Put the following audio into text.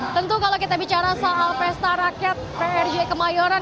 tentu kalau kita bicara soal pesta rakyat prj kemayoran